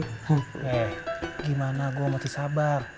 eh gimana gua masih sabar